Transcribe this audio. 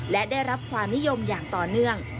และได้รับความนิยมอย่างต่อเนื่อง